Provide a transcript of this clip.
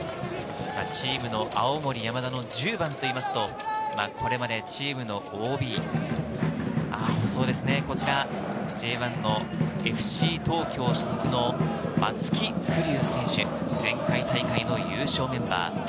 チームの青森山田の１０番といいますと、これまでチームのＯＢ、そうですね、こちらＪ１のＦＣ東京所属の松木玖生選手、前回大会の優勝メンバー。